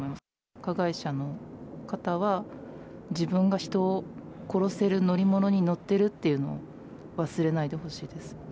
加害者の方は、自分が人を殺せる乗り物に乗ってるっていうのを忘れないでほしい